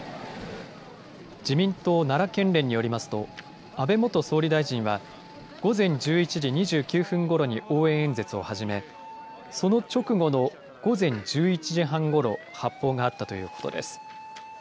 自民党奈良県連によりますと安倍元総理大臣は午前１１時２９分ごろに応援演説を始め、その直後の午前１１時半ごろ、発砲があったということです。